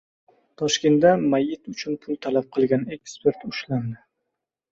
Toshkentda mayit uchun pul talab qilgan ekspert ushlandi